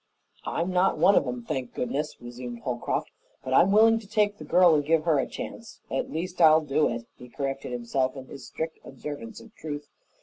"I'm not one of 'em, thank goodness!" resumed Holcroft. "But I'm willing to take the girl and give her a chance at least I'll do it," he corrected himself, in his strict observance of truth.